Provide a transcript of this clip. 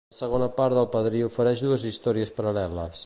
La segona part del Padrí ofereix dues històries paral·leles.